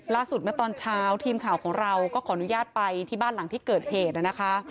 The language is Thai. เมื่อตอนเช้าทีมข่าวของเราก็ขออนุญาตไปที่บ้านหลังที่เกิดเหตุนะคะ